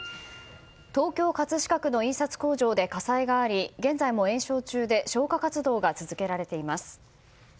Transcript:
東京・葛飾区の印刷工場で火災があり現在も延焼中で消火活動が続けられています。